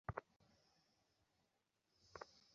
ব্রজমোহন কহিলেন, এমন কিছু গুরুতর নহে।